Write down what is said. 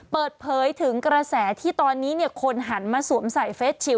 เปิดเผยถึงกระแสที่ตอนนี้คนหันมาสวมใส่เฟสชิล